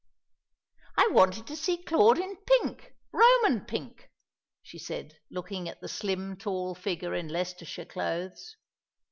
"I wanted to see Claude in pink Roman pink," she said, looking at the slim, tall figure in Leicestershire clothes.